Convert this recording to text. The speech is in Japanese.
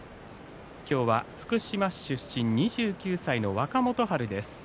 今日は福島市出身、２９歳の若元春です。